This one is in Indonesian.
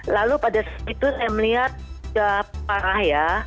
lalu pada saat itu saya melihat sudah parah ya